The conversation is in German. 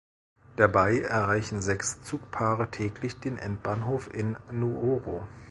Dabei erreichen sechs Zugpaare täglich den Endbahnhof in Nuoro.